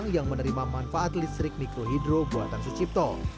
yang menerima manfaat listrik mikrohidro buatan sucipto